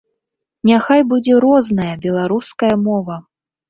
Няхай будзе розная беларуская мова!